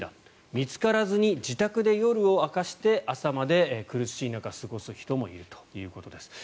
見つからずに自宅で夜を明かして朝まで苦しい中過ごす人もいるということです。